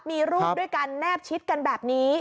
มีรูปด้วยกันแนบชิดกันแบบนี้